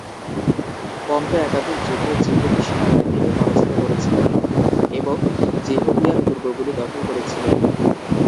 Pompey একাধিক যুদ্ধে যিহুদি সেনাবাহিনীকে পরাজিত করেছিলেন এবং যিহূদিয়ার দুর্গগুলো দখল করেছিলেন।